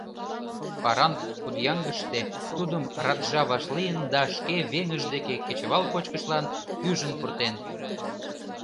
Паранг-Кудьянгыште тудым раджа вашлийын да шке веҥыж деке кечывал кочкышлан ӱжын пуртен.